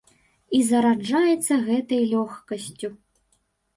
І зараджаешся гэтай лёгкасцю.